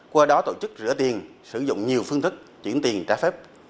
qua đó tổ chức rửa tiền sử dụng nhiều phương thức chuyển tiền trả phép